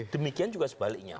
demikian juga sebaliknya